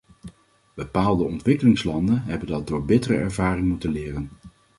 Bepaalde ontwikkelingslanden hebben dat door bittere ervaring moeten leren.